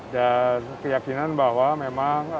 dan keyakinan bahwa memang